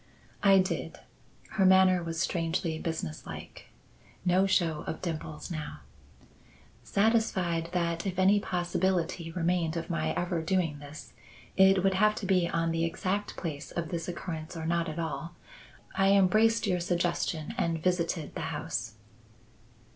"I did." Her manner was strangely businesslike. No show of dimples now. "Satisfied that if any possibility remained of my ever doing this, it would have to be on the exact place of this occurrence or not at all, I embraced your suggestion and visited the house."